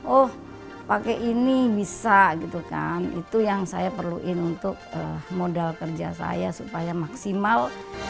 oh pakai ini bisa gitu kan itu yang saya perluin untuk modal kerja saya supaya maksimal